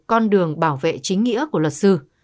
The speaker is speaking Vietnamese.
con đường bảo vệ chính nghĩa của luật sư